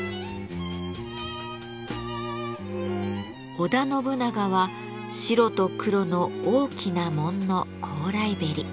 織田信長は白と黒の大きな紋の高麗縁。